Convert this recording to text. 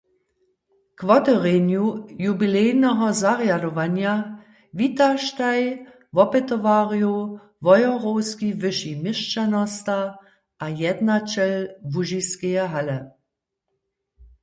K wotewrjenju jubilejneho zarjadowanja witaštaj wopytowarjow Wojerowski wyši měšćanosta a jednaćel Łužiskeje hale.